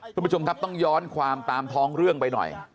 คุณผู้ชมครับต้องย้อนความตามท้องเรื่องไปหน่อย